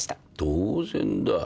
当然だ。